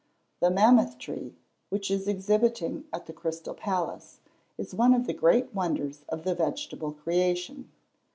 The Mammoth tree, which is exhibiting at the Crystal Palace, is one of the great wonders of the vegetable creation.